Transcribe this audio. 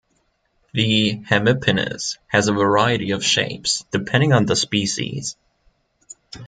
The hemipenis has a variety of shapes, depending on the species.